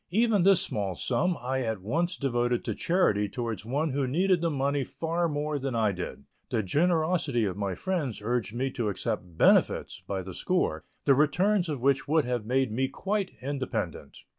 Even this small sum I at once devoted to charity towards one who needed the money far more than I did. The generosity of my friends urged me to accept "benefits" by the score, the returns of which would have made me quite independent.